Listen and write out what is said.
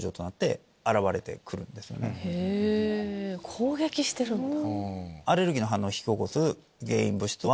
攻撃してるんだ。